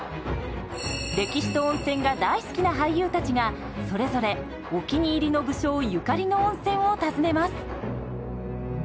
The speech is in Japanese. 歴史と温泉が大好きな俳優たちがそれぞれお気に入りの武将ゆかりの温泉を訪ねます。